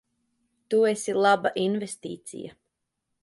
Tu esi laba investīcija.